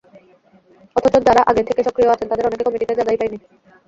অথচ যাঁরা আগে থেকে সক্রিয় আছেন, তাঁদের অনেকে কমিটিতে জায়গাই পাননি।